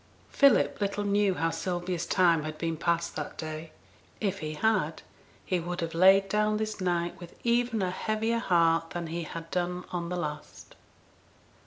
Philip little knew how Sylvia's time had been passed that day. If he had, he would have laid down this night with even a heavier heart than he had done on the last.